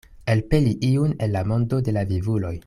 Elpeli iun el la mondo de la vivuloj.